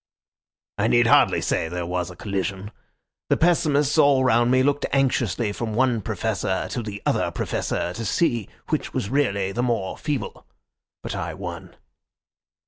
"I need hardly say there was a collision. The pessimists all round me looked anxiously from one Professor to the other Professor to see which was really the more feeble. But I won.